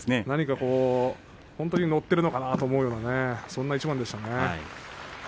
何か本当に乗っているのかなというようなそんな一番でしたね。